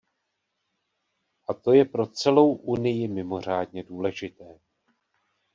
A to je pro celou Unii mimořádně důležité.